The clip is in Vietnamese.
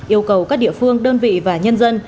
yêu cầu các địa phương đơn vị và nhân dân